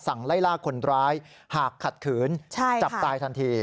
ไล่ล่าคนร้ายหากขัดขืนจับตายทันที